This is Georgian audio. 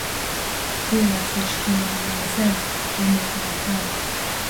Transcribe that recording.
დილას ეშხიანმა მზემ გამოანათა